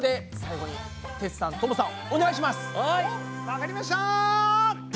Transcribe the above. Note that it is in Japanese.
わかりました！